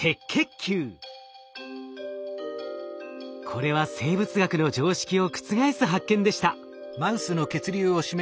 これは生物学の常識を覆す発見でした。